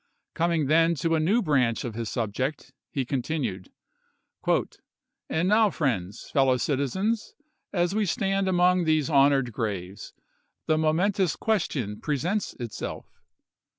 Coming then to a new branch of his subject, he continued :" And now, friends, fellow citizens, as we stand among these honored graves, the momentous question presents itself.